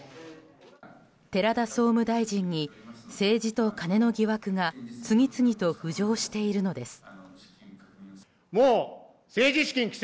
寺田総務大臣に政治とカネの疑惑が次々と浮上しているのです。